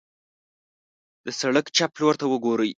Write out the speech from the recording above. د سړک چپ لورته وګورئ.